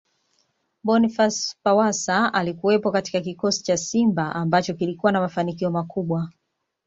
Boniface Pawasa Alikuwepo katika kikosi cha Simba ambacho kilikuwa na mafanikio makubwa